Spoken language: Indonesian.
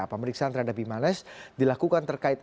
pemeriksaan terhadap bimanes dilakukan terkait